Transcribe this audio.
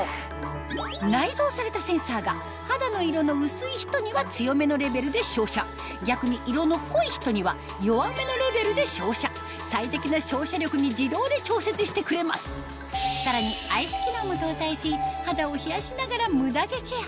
内蔵されたセンサーが肌の色の薄い人には強めのレベルで照射逆に色の濃い人には弱めのレベルで照射さらにアイス機能も搭載し肌を冷やしながらムダ毛ケア